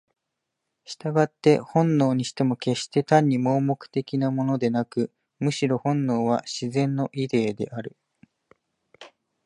従って本能にしても決して単に盲目的なものでなく、むしろ本能は「自然のイデー」である。